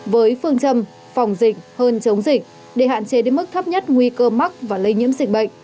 với phương châm phòng dịch hơn chống dịch để hạn chế đến mức thấp nhất nguy cơ mắc và lây nhiễm dịch bệnh